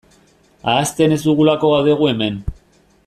Ahazten ez dugulako gaude gu hemen.